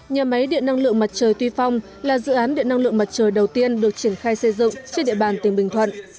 nhà máy điện năng lượng mặt trời tuy phong là dự án điện năng lượng mặt trời đầu tiên được triển khai xây dựng trên địa bàn tỉnh bình thuận